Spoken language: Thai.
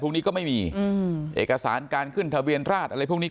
พวกนี้ก็ไม่มีอืมเอกสารการขึ้นทะเบียนราชอะไรพวกนี้